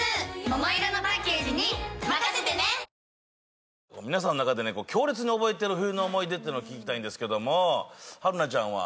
ダイハツ皆さんの中で強烈に覚えている冬の思い出っていうのを聞きたいんですけども春奈ちゃんは？